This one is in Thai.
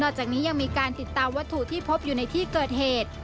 จากนี้ยังมีการติดตามวัตถุที่พบอยู่ในที่เกิดเหตุ